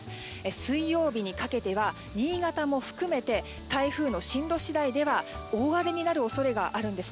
水曜日にかけては新潟も含めて台風の進路次第では大荒れになる恐れがあるんです。